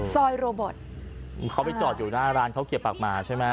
ซอยโรบอทเขาไปจอดอยู่หน้าร้านเขาเกียบปากหมาใช่ไหม